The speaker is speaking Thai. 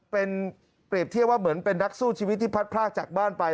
เป็นเปรียบเทียบว่าเหมือนเป็นนักสู้ชีวิตที่พัดพลากจากบ้านไป